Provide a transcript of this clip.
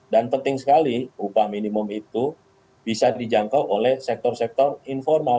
dan penting sekali upah minimum itu bisa dijangkau oleh sektor sektor informal